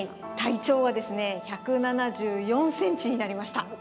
体長は１７４ｃｍになりました。